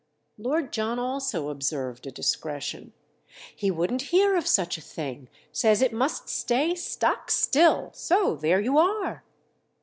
Lord John also observed a discretion. "He wouldn't hear of such a thing—says it must stay stock still. So there you are!"